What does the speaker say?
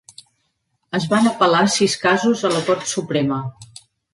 Es van apel·lar sis casos a la cort suprema.